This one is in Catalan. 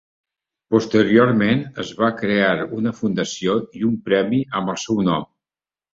Posteriorment es va crear una fundació i un premi amb el seu nom.